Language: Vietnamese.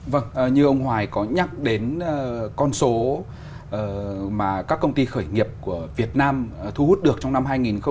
vâng như ông hoài có nhắc đến con số mà các công ty khởi nghiệp của việt nam thu hút được trong năm hai nghìn hai mươi